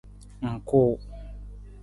Ng kuu.